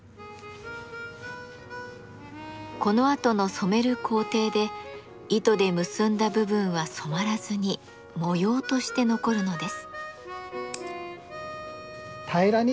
このあとの染める工程で糸で結んだ部分は染まらずに模様として残るのです。